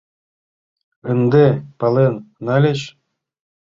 Ынде пален нальыч?